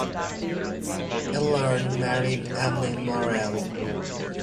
Ellern married Anne Morrel.